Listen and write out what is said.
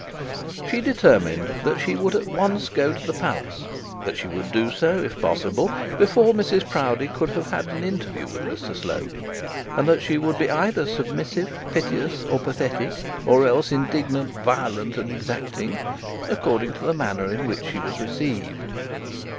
She determined that she would at once go to the palace; that she would do so, if possible, before Mrs Proudie could have had an interview with Mr Slope; and that she would be either submissive, piteous and pathetic, or indignant violent and exacting, according to the manner in which she was received.